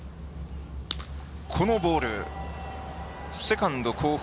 このボール、セカンド後方。